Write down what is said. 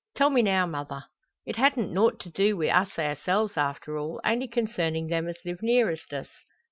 "Tell me now, mother." "It hadn't nought to do wi' us ourselves, after all. Only concernin' them as live nearest us."